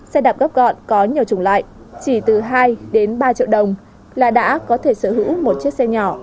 xe đạp góp gọn có nhiều chủng loại chỉ từ hai đến ba triệu đồng là đã có thể sở hữu một chiếc xe nhỏ